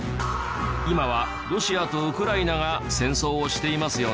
今はロシアとウクライナが戦争をしていますよね。